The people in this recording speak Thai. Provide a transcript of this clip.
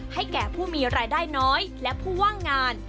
แก่ผู้มีรายได้น้อยและผู้ว่างงาน